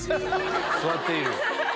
座っている。